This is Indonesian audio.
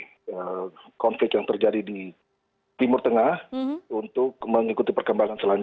saat ini kami tetap memenuhi perkembangan yang terjadi di timur tengah untuk mengikuti perkembangan